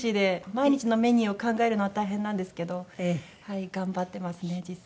毎日のメニューを考えるのは大変なんですけど頑張ってますね自炊。